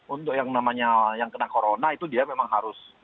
untuk yang namanya yang kena corona itu dia memang harus